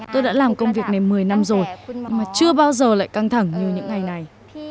tôi đã làm công việc này một mươi năm rồi mà chưa bao giờ lại căng thẳng như những ngày này